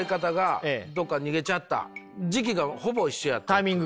タイミングが？